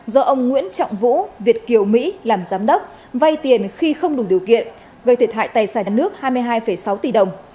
do ông nguyễn trọng vũ việt kiều mỹ làm giám đốc vay tiền khi không đủ điều kiện gây thiệt hại tài sản nước hai mươi hai sáu tỷ đồng